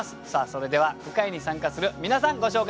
それでは句会に参加する皆さんご紹介しましょう。